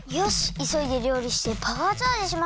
いそいでりょうりしてパワーチャージしましょう！